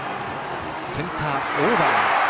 センターオーバー。